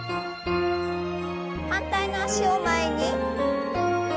反対の脚を前に。